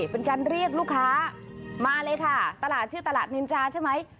เป็นการเรียกลูกค้ามาเลยค่ะตลาดชื่อตลาดนินจาใช่ไหม